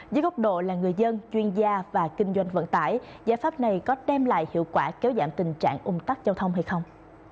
dưới góc độ là người dân chuyên gia và kinh doanh vận tải giải pháp này có đem lại hiệu quả kéo giảm tình trạng ung tắc giao thông hay không